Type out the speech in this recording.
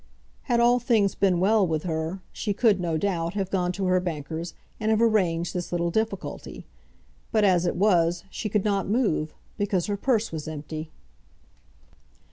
Had all things been well with her, she could, no doubt, have gone to her bankers and have arranged this little difficulty. But as it was, she could not move, because her purse was empty.